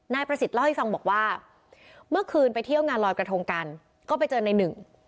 นายประสิทธิ์เล่าให้ฟังบอกว่าเมื่อคืนไปเที่ยวงานลอยกระทงกันก็ไปเจอในหนึ่ง